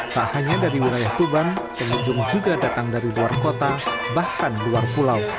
tak hanya dari wilayah tuban pengunjung juga datang dari luar kota bahkan luar pulau